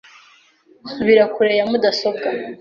Subira kure ya mudasobwa .